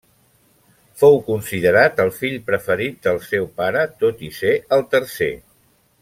Fou considerat el fill preferit del seu pare tot i ser el tercer.